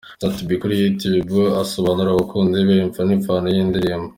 Sat B kuri youtube asobanurira abakunzi be imvo n'imvano y'iyi ndirimbo.